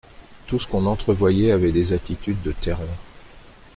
Tout ce qu'on entrevoyait avait des attitudes de terreur.